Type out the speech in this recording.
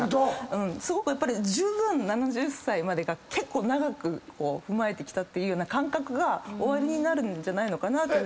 すごくじゅうぶん７０歳までが結構長く踏まえてきたっていうような感覚がおありになるんじゃないのかなと。